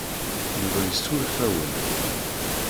Yuba yessuref-awent.